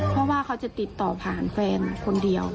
เพราะว่าเขาจะติดต่อผ่านแฟนคนเดียว